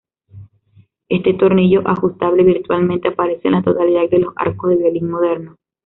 Este tornillo ajustable, virtualmente aparece en la totalidad de los arcos de violín modernos.